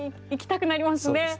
行きたくなりますね。